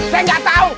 saya nggak tahu